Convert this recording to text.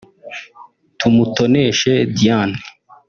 Tumutoneshe Diane